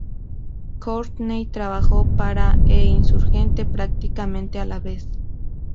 Courtney trabajó para e Insurgente prácticamente a la vez.